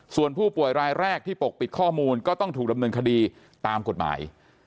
ส่วนผู้ป่วยรายแรกที่ปกปิดข้อมูลก็ต้องถูกดำเนินคดีตามกฎหมาย